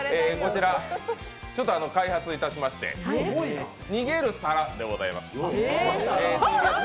ちょっと開発いたしましてこちら逃げる皿でございます。